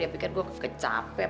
dia pikir gue capek